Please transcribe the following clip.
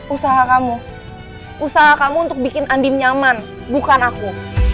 usaha kamu usaha kamu untuk bikin andi nyaman bukan aku